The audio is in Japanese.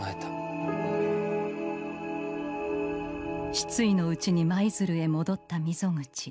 失意のうちに舞鶴へ戻った溝口。